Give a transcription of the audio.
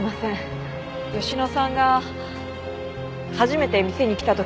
佳乃さんが初めて店に来た時。